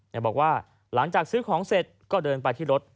บอกว่าหลังจากซื้อของเสร็จก็เดินไปที่รถ